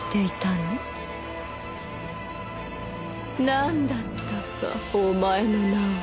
何だったかお前の名は。